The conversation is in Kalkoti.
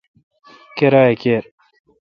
کیرا کیر۔